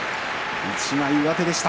一枚上手でした。